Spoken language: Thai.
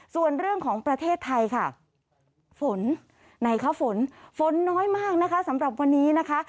ส่วนเรื่องของประเทศไทยค่ะฝนไหนคะฝนฝนน้อยมากนะคะสำหรับวันนี้นะคะ